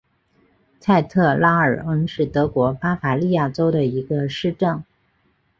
蔡特拉尔恩是德国巴伐利亚州的一个市镇。